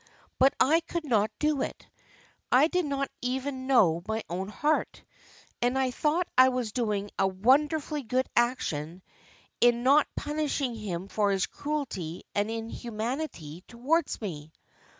But I could not do it, I did not even know my own heart, and I thought I was doing a wonderfully good action in not punishing him for his cruelty and inhumanity towards me.